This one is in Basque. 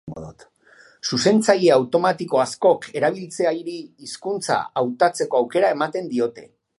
Zuzentzaile automatiko askok erabiltzaileari hizkuntza hautatzeko aukera ematen diote.